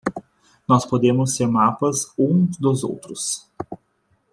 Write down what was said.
Nós podemos ser mapas uns dos outros